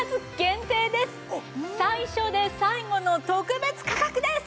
最初で最後の特別価格です！